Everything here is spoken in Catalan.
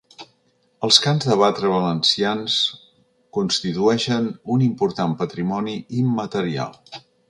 Els cants de batre valencians constitueixen un important patrimoni immaterial.